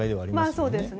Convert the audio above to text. そうですね。